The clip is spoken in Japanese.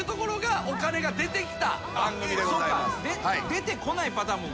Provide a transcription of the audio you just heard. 出てこないパターンも？